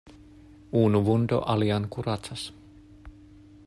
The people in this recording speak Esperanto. Unu vundo alian kuracas.